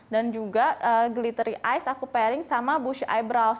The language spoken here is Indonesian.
dan juga glittery eyes aku pairing sama bushy eyebrows